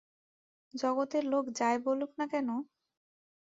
জগতের লোক যাই বলুক না, আমরা সে সব গ্রাহ্যের মধ্যেই আনি না।